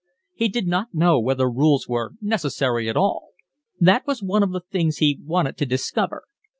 He did not know whether rules were necessary at all. That was one of the things he wanted to discover.